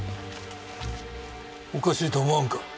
おかしいと思わんか？